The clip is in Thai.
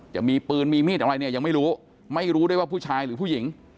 จะมีปืนมีมีดอะไรเนี่ยยังไม่รู้ไม่รู้ได้ว่าผู้ชายหรือผู้หญิง